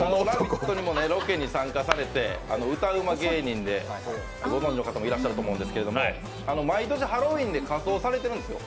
ロケに参加されて、歌うま芸人でご存じの方もいらっしゃると思いますけど、毎年、ハロウィンで仮装されてるんですよ。